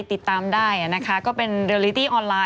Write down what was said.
โอเคสามคำอยู่ที่ใจ